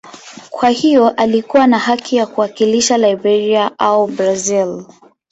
Kwa hiyo alikuwa na haki ya kuwakilisha Liberia au Brazil.